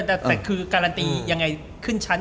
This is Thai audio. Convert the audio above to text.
แต่คือการันตียังไงขึ้นชั้น